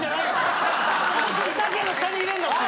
おたけの下に入れんなって。